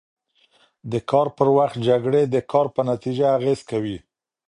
د کار پر وخت جکړې د کار په نتیجه اغېز کوي.